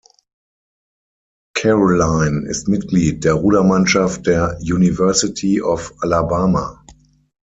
Caroline ist Mitglied der Rudermannschaft der University of Alabama.